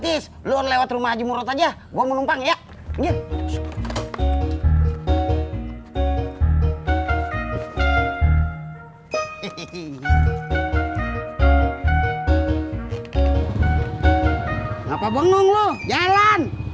habis lu lewat rumah jum'at aja gua menumpang ya ngapa bengong lu jalan